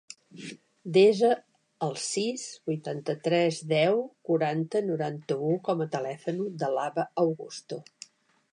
Desa el sis, vuitanta-tres, deu, quaranta, noranta-u com a telèfon de l'Abba Augusto.